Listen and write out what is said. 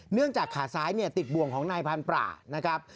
เนื่องจากขาซ้ายติดบวงของนายพันธุ์ประนะครับ